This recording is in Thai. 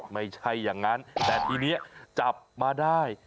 ไม่ใช่อย่างนั้นแต่ทีนี้จับมาได้